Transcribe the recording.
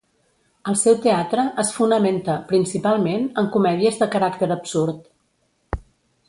El seu teatre es fonamenta, principalment, en comèdies de caràcter absurd.